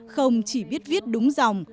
không chỉ biết viết đúng dòng